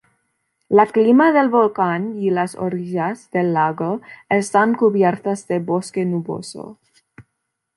La cima del volcán y las orillas del lago están cubiertas de Bosque nuboso.